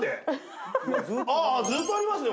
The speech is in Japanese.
ああずっとありますね